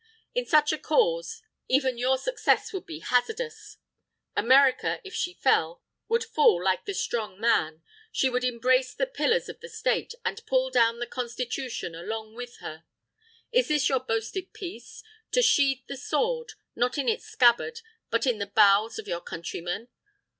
"In such a cause, even your success would be hazardous. America, if she fell, would fall like the strong man. She would embrace the pillars of the State, and pull down the Constitution along with her. "Is this your boasted peace? To sheathe the sword, not in its scabbard, but in the bowels of your Countrymen?